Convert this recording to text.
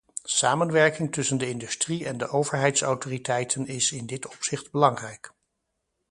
Samenwerking tussen de industrie en de overheidsautoriteiten is in dit opzicht belangrijk.